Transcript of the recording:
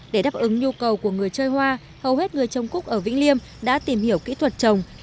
để đáp ứng nhu cầu của người chơi hoa hầu hết người trồng cúc ở vĩnh liêm đã tìm hiểu kỹ thuật trồng